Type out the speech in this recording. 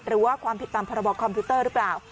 หรือว่าความผิดตามพรบคอมพิวเตอร์หรือเปล่า